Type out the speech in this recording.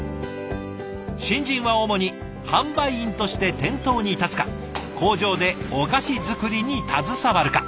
新人は主に販売員として店頭に立つか工場でお菓子作りに携わるか。